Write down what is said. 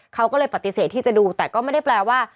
เขาก็เลยปฏิเสธที่จะดูแต่ก็ไม่ได้แปลว่า